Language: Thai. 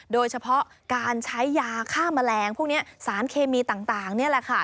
โดยเฉพาะการใช้ยาฆ่าแมลงพวกนี้สารเคมีต่างนี่แหละค่ะ